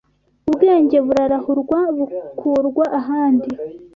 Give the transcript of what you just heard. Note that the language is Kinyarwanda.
Ubwenge burarahurwa bukurwa ahandi